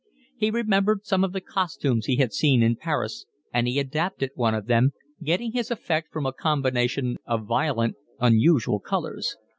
He remembered some of the costumes he had seen in Paris, and he adapted one of them, getting his effect from a combination of violent, unusual colours.